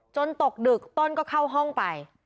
ตกดึกต้นก็เข้าห้องไป